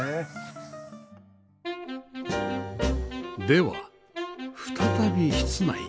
では再び室内